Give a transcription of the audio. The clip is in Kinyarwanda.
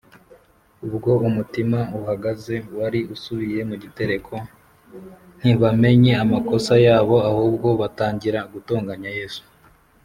. Ubwo umutima uhagaze wari usubiye mu gitereko, ntibamenye amakosa yabo, ahubwo batangira gutonganya Yesu.